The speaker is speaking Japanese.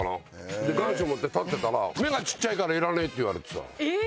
で願書を持って立ってたら「目がちっちゃいからいらねえ」って言われてさ。